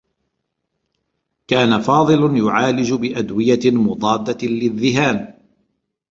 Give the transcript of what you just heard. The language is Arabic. كان فاضل يُعالج بأدوية مضادّة للذّهان.